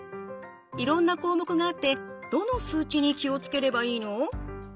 いろんな項目があってどの数値に気を付ければいいの？